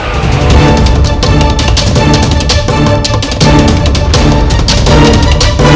apa itu berarti